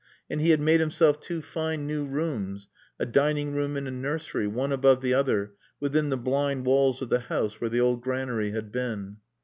And he had made himself two fine new rooms, a dining room and a nursery, one above the other, within the blind walls of the house where the old granary had been.